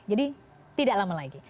jadi tidak lama lagi